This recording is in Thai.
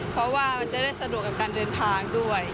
เพราะว่ามันจะได้สะดวกกับการเดินทางด้วย